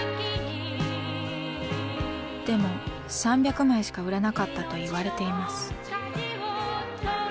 でも３００枚しか売れなかったといわれています。